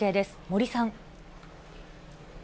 森さん。